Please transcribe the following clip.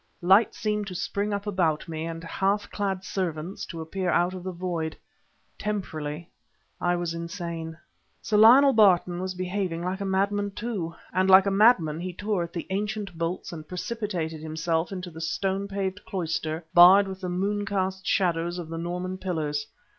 Light seemed to spring up about me, and half clad servants to appear out of the void. Temporarily I was insane. Sir Lionel Barton was behaving like a madman too, and like a madman he tore at the ancient bolts and precipitated himself into the stone paved cloister barred with the moon cast shadows of the Norman pillars.